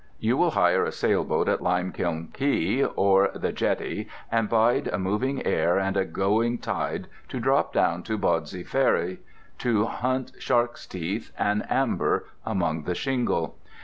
You will hire a sailboat at Lime Kiln Quay or the Jetty and bide a moving air and a going tide to drop down to Bawdsey ferry to hunt shark's teeth and amber among the shingle.